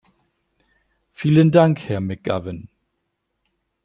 Vielen Dank, Herr McGowan.